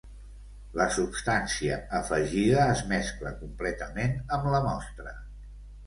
La substància afegida es mescla completament amb la mostra.